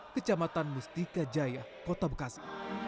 kecamatan mustika jaya kota bekasi